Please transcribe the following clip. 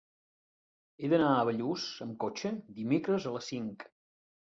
He d'anar a Bellús amb cotxe dimecres a les cinc.